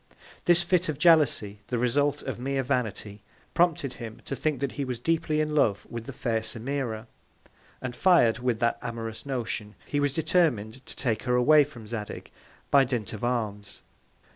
This Fit of Jealousy, the Result of mere Vanity, prompted him to think that he was deeply in Love with the fair Semira; and fir'd with that amorous Notion, he was determin'd to take her away from Zadig, by Dint of Arms.